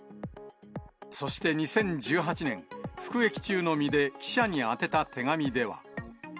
そして２０１８年、服役中の身で、記者に宛てた手紙では。